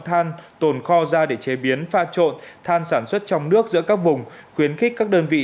than tồn kho ra để chế biến pha trộn than sản xuất trong nước giữa các vùng khuyến khích các đơn vị